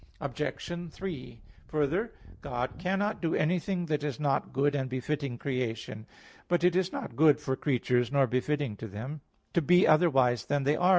Obj. 3: Further, God cannot do anything that is not good and befitting creation. But it is not good for creatures nor befitting them to be otherwise than as they are.